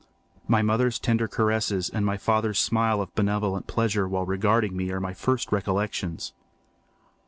My mother's tender caresses and my father's smile of benevolent pleasure while regarding me are my first recollections.